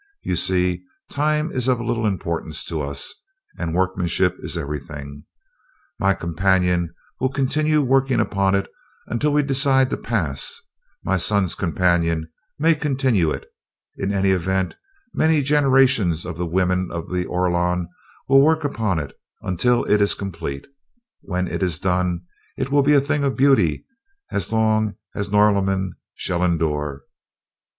You see, time is of little importance to us, and workmanship is everything. My companion will continue working upon it until we decide to pass; my son's companion may continue it. In any event, many generations of the women of the Orlon will work upon it until it is complete. When it is done, it will be a thing of beauty as long as Norlamin shall endure."